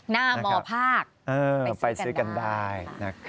หน้ามภาคไปซื้อกันได้